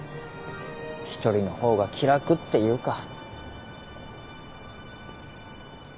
１人のほうが気楽っていうか。